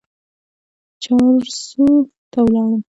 چارسو ته ولاړم.